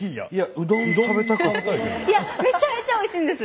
いやめちゃめちゃおいしいんです！